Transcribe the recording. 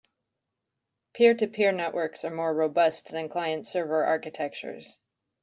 Peer-to-peer networks are more robust than client-server architectures.